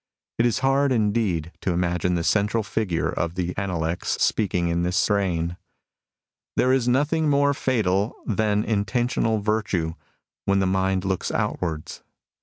It is hard, indeed, to imagine the central figure of the Analects speaking in this strain :—" There is nothing more fatal than intentional virtue, when the mind looks outwards.